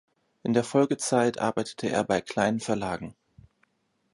In der Folgezeit arbeitete er bei kleinen Verlagen.